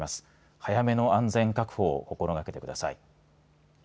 早めの安全確保を心がけてください。